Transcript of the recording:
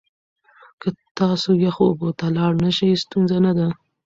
که تاسو یخو اوبو ته لاړ نشئ، ستونزه نه ده.